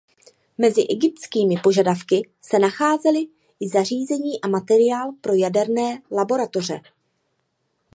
Mezi egyptskými požadavky se nacházely i zařízení a materiál pro jaderné laboratoře.